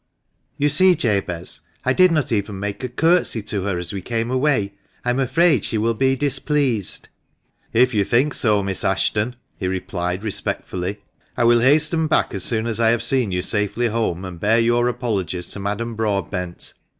"You see, Jabez, I did not even make a curtsey to her as we came away. I am afraid she will be displeased." " If you think so, Miss Ashton," he replied, respectfully, " I will hasten back as soon as I have seen you safely home, and bear your apologies to Madame Broadbent.